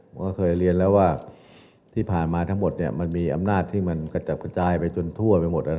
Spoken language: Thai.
ไปเรียนแล้วว่าที่ผ่านมามันมีอำนาจจักรประจายไปจนทั่วไปหมด